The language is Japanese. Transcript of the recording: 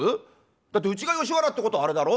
だってうちが吉原ってことはあれだろ？